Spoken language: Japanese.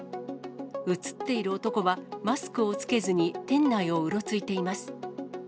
写っている男は、マスクを着けずに店内をうろついています。